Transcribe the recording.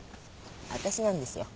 私なんですよ。